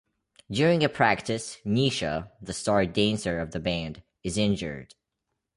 During a practice, Nisha -the star dancer of the band- is injured.